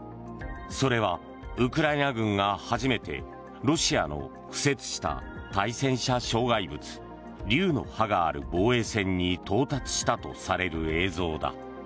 それはウクライナ軍が初めてロシアの敷設した対戦車障害物竜の歯がある防衛線に到達したとされる映像だ。